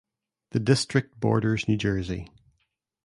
The district borders New Jersey.